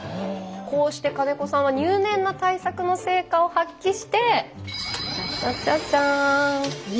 こうして金子さんは入念な対策の成果を発揮してチャチャチャチャーン。